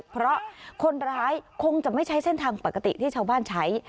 เพราะคนร้ายคงจะไม่ใช้เส้นทางปกติที่ชาวบ้านใช้